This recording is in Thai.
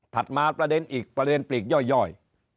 มาประเด็นอีกประเด็นปลีกย่อย